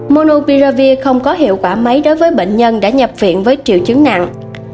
monopiravir không có hiệu quả mấy đối với bệnh nhân đã nhập viện với triệu chứng nặng